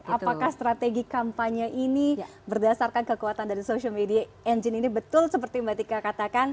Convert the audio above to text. apakah strategi kampanye ini berdasarkan kekuatan dari social media engine ini betul seperti mbak tika katakan